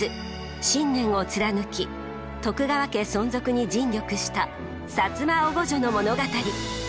信念を貫き徳川家存続に尽力した摩おごじょの物語。